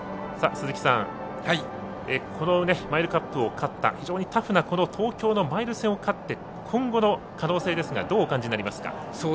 このマイルカップを勝った非常にタフなこの東京のマイル戦を勝って今後の可能性ですがどうお感じになりますか。